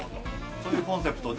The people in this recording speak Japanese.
そういうコンセプトで。